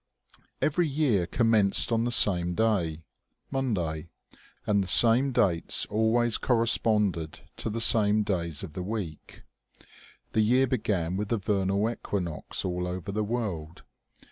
Every year commenced on the same day Monday ; and the same dates always corresponded to the same days of the week. The year began with the vernal equinox all over the world.